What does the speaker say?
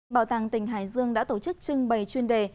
bảo tàng tỉnh hải dương đã tổ chức trưng bày chuyên đề